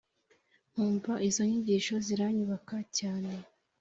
nkumva izo nyigisho ziranyubaka cyane,